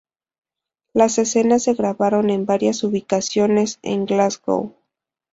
Las escenas se grabaron en varias ubicaciones en Glasgow.